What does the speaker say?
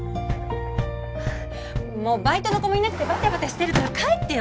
もうバイトの子もいなくてばたばたしてるから帰ってよ。